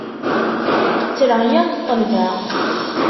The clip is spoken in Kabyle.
Ttreɣ yal ṭṭelba.